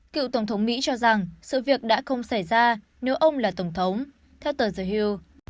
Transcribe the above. cựu tổng thống mỹ cho rằng sự việc đã không xảy ra nếu ông là tổng thống theo tờ giới hil